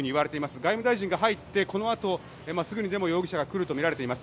外務大臣が入ってこのあとすぐにでも容疑者が来るとみられています。